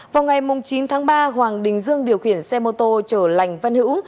vào ngày chín tháng ba hoàng đình dương điều khiển xe mô tô chở lành văn hữu